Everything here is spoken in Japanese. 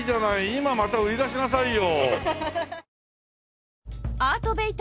今また売り出しなさいよ。